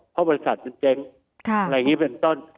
เพราะบริษัทมันเจ๊งอะไรอย่างนี้เป็นต้น